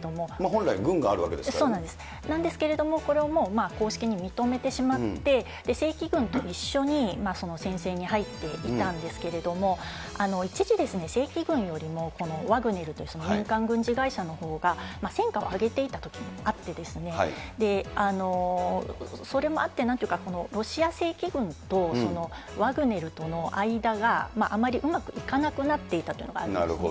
本来、軍があるわけですからなんですけれども、これをもう、公式に認めてしまって、正規軍と一緒に戦線に入っていたんですけれども、一時ですね、正規軍よりもワグネルという民間軍事会社のほうが戦果をあげていたときもあって、それもあって、なんていうか、ロシア正規軍とワグネルとの間があまりうまくいかなくなっていたというのがあるんですね。